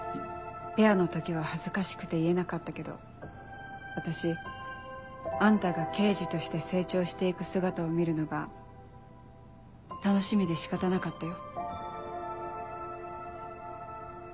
ペアの時は恥ずかしくて言えなかったけど私あんたが刑事として成長して行く姿を見るのが楽しみで仕方なかったよ。